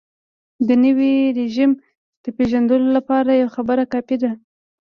د نوي رژیم د پېژندلو لپاره یوه خبره کافي ده.